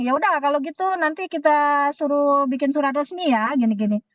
ya udah kalau gitu nanti kita suruh bikin surat resmi ya gini gini